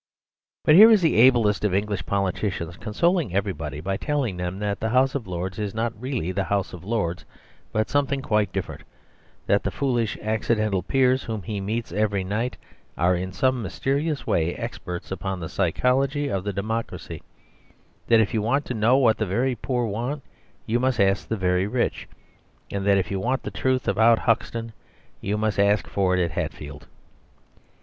But here is the ablest of English politicians consoling everybody by telling them that the House of Lords is not really the House of Lords, but something quite different, that the foolish accidental peers whom he meets every night are in some mysterious way experts upon the psychology of the democracy; that if you want to know what the very poor want you must ask the very rich, and that if you want the truth about Hoxton, you must ask for it at Hatfield.